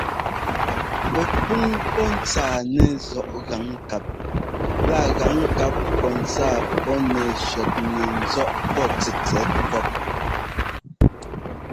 Pɛpúŋ pɔ́ ńtsáa nɛzɔ́ꞌ gaŋkáp lá gaŋkáp pɔ́ ntsáa pɔ́ nɛ shɔtnɛ ńzɔ́ꞌ pɔ́ tɛtsɛt pɔ́p.